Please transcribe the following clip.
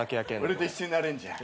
俺と一緒になれんじゃん。